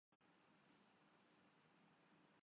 ھم نے بہت ہی کم وقت میں اپنا کام ختم کرلیا